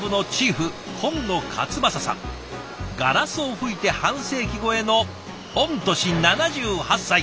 ガラスを吹いて半世紀超えの御年７８歳。